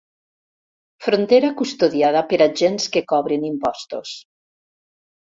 Frontera custodiada per agents que cobren impostos.